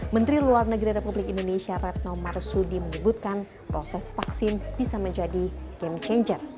menteri luar negeri republik indonesia retno marsudi menyebutkan proses vaksin bisa menjadi game changer